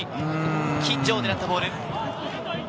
金城を狙ったボール。